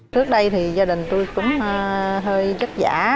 trước đây thì gia đình tôi cũng hơi chất giả